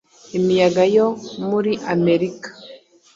imiyaga yo muri amerika